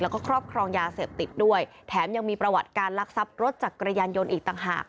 แล้วก็ครอบครองยาเสพติดด้วยแถมยังมีประวัติการลักทรัพย์รถจักรยานยนต์อีกต่างหาก